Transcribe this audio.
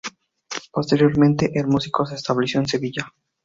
Posteriormente, el músico se estableció en Sevilla.